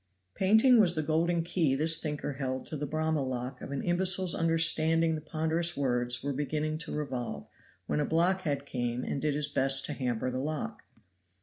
Painting was the golden key this thinker held to the Bramah lock of an imbecile's understanding the ponderous wards were beginning to revolve when a blockhead came and did his best to hamper the lock.